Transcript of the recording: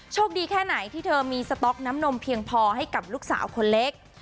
โชคดีแค่ไหนที่เธอมีสต๊อกน้ำนมเพียงพอให้กับลูกสาวคนเล็ก